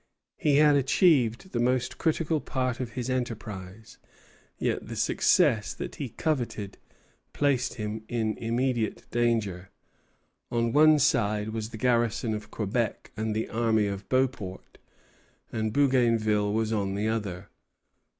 He had achieved the most critical part of his enterprise; yet the success that he coveted placed him in imminent danger. On one side was the garrison of Quebec and the army of Beauport, and Bougainville was on the other.